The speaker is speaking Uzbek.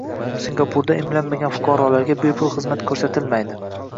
Singapurda emlanmagan fuqarolarga bepul xizmat ko‘rsatilmayding